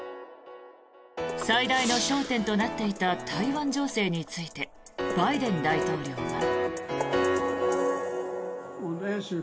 最大の焦点となっていた台湾情勢についてバイデン大統領は。